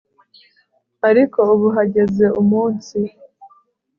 ariko ubu hageze umunsi